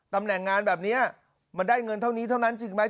ตำแหน่งงานแบบนี้มันได้เงินเท่านี้เท่านั้นจริงไหม